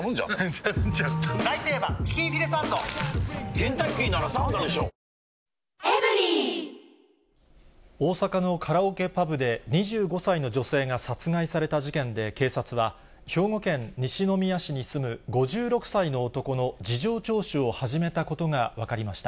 店オープンのときは、もう悩大阪のカラオケパブで、２５歳の女性が殺害された事件で、警察は、兵庫県西宮市に住む５６歳の男の事情聴取を始めたことが分かりました。